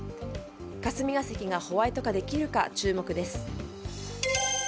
霞ヶ関がホワイト化できるか注目です。